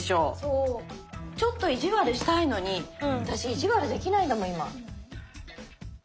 ちょっと意地悪したいのに私意地悪できないんだもん今。